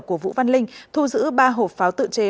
của vũ văn linh thu giữ ba hộp pháo tự chế